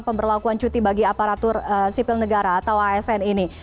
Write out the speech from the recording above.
pemberlakuan cuti bagi aparatur sipil negara atau asn ini